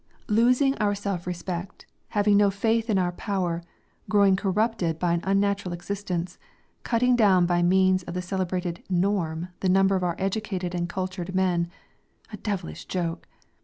Losing our self respect, having no faith in our power, growing corrupted by an unnatural existence, cutting down by means of the celebrated "norm" the number of our educated and cultured men a devilish joke!